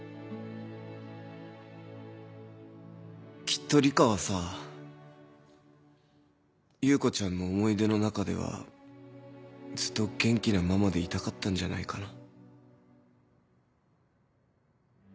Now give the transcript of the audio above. きっと梨花はさ優子ちゃんの思い出の中ではずっと元気なママでいたかったんじゃないかな。